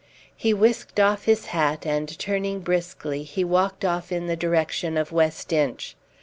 He whisked off his hat, and turning briskly he walked off in the direction of West Inch.